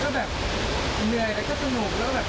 สำหรับผมแม่ก็คิดว่าสนุกมากแล้วก็เหนื่อยแล้วก็สนุก